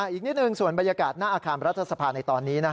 อีกนิดหนึ่งส่วนบรรยากาศหน้าอาคารรัฐสภาในตอนนี้